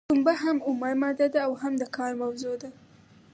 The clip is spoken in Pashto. پنبه هم اومه ماده ده او هم د کار موضوع ده.